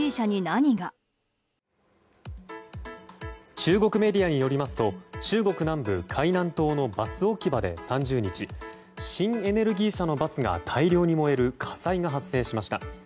中国メディアによりますと中国南部海南島のバス置き場で３０日新エネルギー車のバスが大量に燃える火災が発生しました。